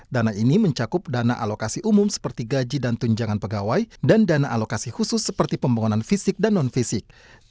dana ini mencakup dana alokasi umum seperti gaji dan tunjangan pegawai dan dana alokasi khusus seperti pembangunan fisik dan non fisik